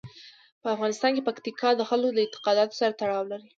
په افغانستان کې پکتیکا د خلکو د اعتقاداتو سره تړاو لري.